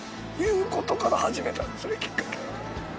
きっかけは。